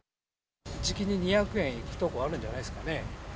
じきに２００円いくとこあるんじゃないですかね。